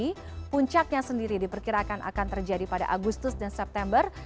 ini puncaknya sendiri diperkirakan akan terjadi pada agustus dan september